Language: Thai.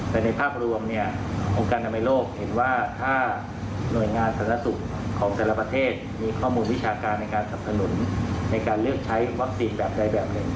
แต่ในภาพรวมเนี่ยองค์การอนามัยโลกเห็นว่าถ้าหน่วยงานสารสุขของแต่ละประเทศมีข้อมูลวิชาการในการสับสนุนในการเลือกใช้วัคซีนแบบใดแบบหนึ่ง